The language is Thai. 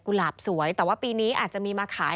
หลาบสวยแต่ว่าปีนี้อาจจะมีมาขาย